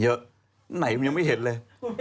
ไหนมันยังไม่เห็นเลย